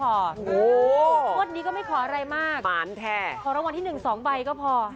โอ้โหงวดนี้ก็ไม่ขออะไรมากขอรางวัลที่๑๒ใบก็พอ